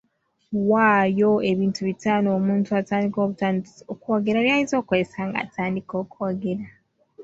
Waayo ebintu bitaano omuntu atandika obutandisi okwogera by’ayinza okukozesa ng’atandika okwogera.